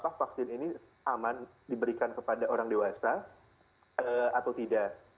apakah vaksin ini aman diberikan kepada orang dewasa atau tidak